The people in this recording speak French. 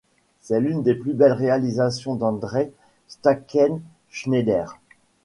C'est une des plus belles réalisations d'Andreï Stackenschneider.